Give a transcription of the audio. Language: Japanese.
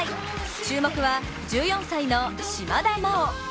注目は１４歳の島田麻央。